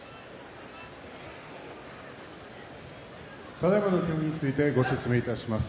ただいまの協議についてご説明します。